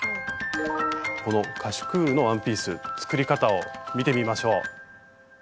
このカシュクールのワンピース作り方を見てみましょう。